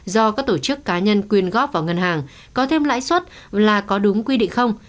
do các tổ chức cá nhân quyên góp vào ngân hàng có thêm lãi suất là có đúng quy định không